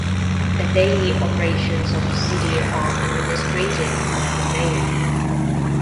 The daily operations of the City are administered by the Mayor.